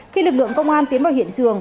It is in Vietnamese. khi lực lượng công an tiến vào hiện trường